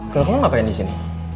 kalau kamu ngapain disini